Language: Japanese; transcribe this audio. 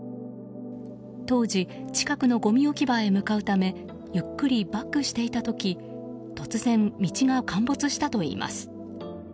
当時近くのごみ置き場へ向かうためゆっくりバックしていた時突然、道が陥没したといいます。